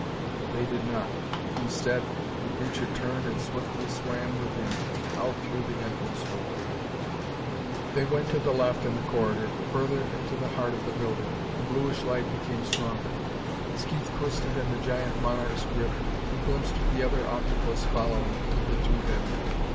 But they did not. Instead, the creature turned and swiftly swam with him out through the entrance hole. They went to the left in the corridor, further into the heart of the building. The bluish light became stronger. As Keith twisted in the giant monarch's grip he glimpsed the other octopus following with the two dead men.